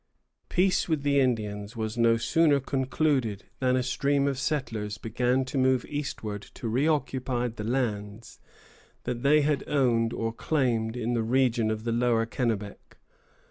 Peace with the Indians was no sooner concluded than a stream of settlers began to move eastward to reoccupy the lands that they owned or claimed in the region of the lower Kennebec.